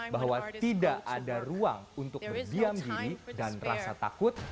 bahwa tidak ada ruang untuk berdiam diri dan rasa takut